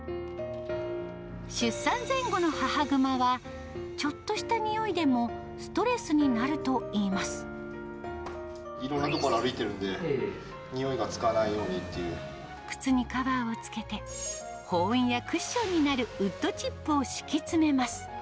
出産前後の母グマは、ちょっとしたにおいでもストレスになるといいろんな所歩いてるんで、靴にカバーをつけて、保温やクッションになるウッドチップを敷き詰めます。